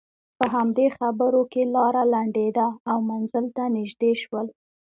په همدې خبرو کې لاره لنډېده او منزل ته نژدې شول.